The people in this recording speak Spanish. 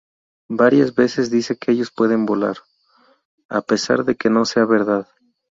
Varias veces dice que "ellos pueden volar", a pesar de que no sea verdad.